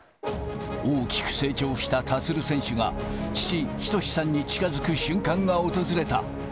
大きく成長した立選手が、父、仁さんに近づく瞬間が訪れた。